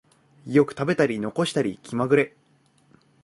よく食べたり残したり気まぐれ